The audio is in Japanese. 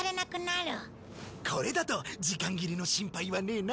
これだと時間切れの心配はねえな。